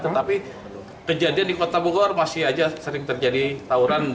tetapi kejadian di kota bogor masih saja sering terjadi tawuran